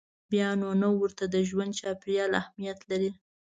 بیا نو نه ورته د ژوند چاپېریال اهمیت لري.